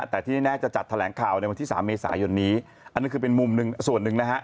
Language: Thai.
แต่ที่แน่จะจัดแถลงข่าวในวันที่๓เมษายนนี้อันนั้นคือเป็นมุมหนึ่งส่วนหนึ่งนะฮะ